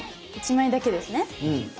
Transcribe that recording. １枚だけですね？